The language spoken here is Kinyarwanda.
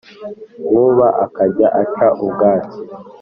Nkuba akajya aca ubwatsi,